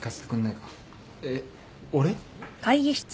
えっ俺？